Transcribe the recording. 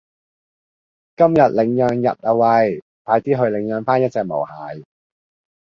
今日領養日啊餵，快啲去領養返一隻毛孩